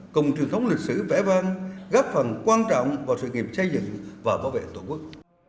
cùng truyền thống lịch sử vẽ vang góp phần quan trọng vào sự nghiệp xây dựng và bảo vệ tổ quốc